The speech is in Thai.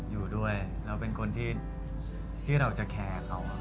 อยู่ด้วยแล้วเป็นคนที่เราจะแคร์เขา